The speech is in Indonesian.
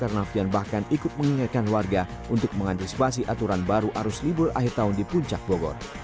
karena fian bahkan ikut mengingatkan warga untuk mengantisipasi aturan baru arus libur akhir tahun di puncak bogor